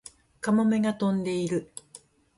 カモメが飛んでいる